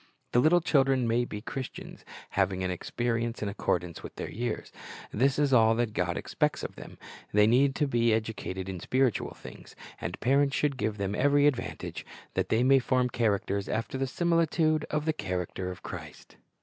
The little children may be Christians, having an expe rience in accordance with their years. This is all that God expects of them. They need to be educated in spiritual things; and parents should give them every advantage, that they may form characters after the similitude of the char acter of Christ.